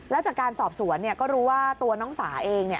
แล้วจากการสอบสวนเนี่ยก็รู้ว่าตัวน้องสาเอง